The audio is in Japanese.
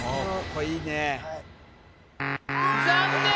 ここいいね残念！